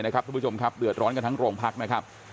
นะครับสมัยชมครับเดือดร้อนกันทั้งโรงพักษ์นะครับ